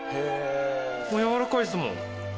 もうやわらかいですもん。